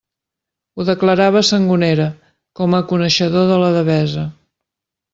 Ho declarava Sangonera, com a coneixedor de la Devesa.